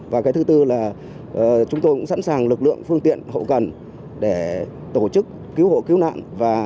và cái thứ tư là chúng tôi cũng sẵn sàng lực lượng phương tiện hậu cần để tổ chức cứu hộ cứu nạn